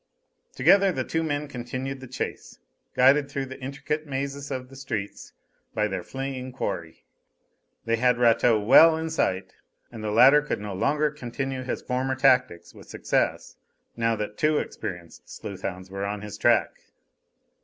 Together the two men continued the chase, guided through the intricate mazes of the streets by their fleeing quarry. They had Rateau well in sight, and the latter could no longer continue his former tactics with success now that two experienced sleuth hounds were on his track.